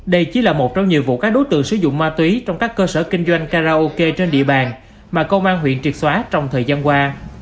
đây chỉ là một trong nhiều vụ các đối tượng sử dụng ma túy trong các cơ sở kinh doanh karaoke trên địa bàn mà công an huyện triệt xóa trong thời gian qua